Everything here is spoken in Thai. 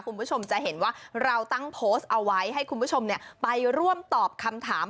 คุณผู้ชมจะเห็นว่าเราตั้งโพสต์เอาไว้ให้คุณผู้ชมไปร่วมตอบคำถาม